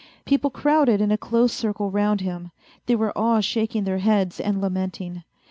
People crowded in a close circle round him ; they were all shaking their heads and lamenting.